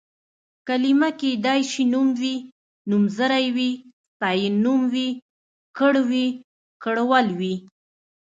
کلمه کيدای شي نوم وي، نومځری وي، ستاینوم وي، کړ وي، کړول وي...